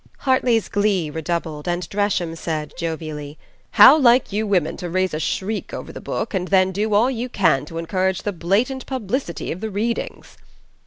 Hartly's glee redoubled, and Dresham said, jovially, "How like you women to raise a shriek over the book and then do all you can to encourage the blatant publicity of the readings!"